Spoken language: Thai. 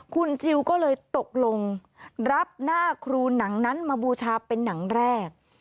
คุณจิลก็เลยตกลงรับหน้าครูหนังนั้นมาบูชาเป็นหนังแรก